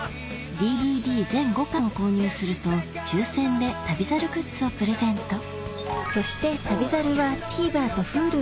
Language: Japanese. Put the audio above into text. ＤＶＤ全５巻を購入すると抽選で『旅猿』グッズをプレゼントそして『旅猿』はうまいいちごうまご！